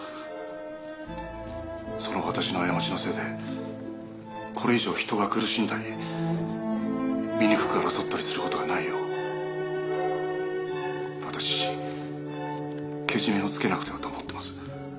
「その私の過ちのせいでこれ以上人が苦しんだり醜く争ったりする事がないよう私自身けじめをつけなくてはと思ってます」